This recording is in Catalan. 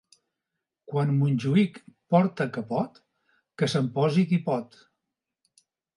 Quan Montjuïc porta capot, que se'n posi qui pot.